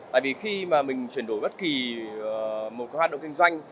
tại vì khi mà mình chuyển đổi bất kỳ một hoạt động kinh doanh